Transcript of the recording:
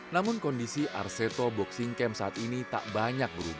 namun kondisi arseto boxing camp saat ini tak banyak berubah